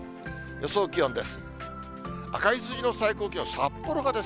予想気温です。